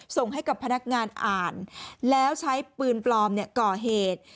ส่งให้กับพนักงานอ่านแล้วใช้ปืนปลอมก่อเหตุ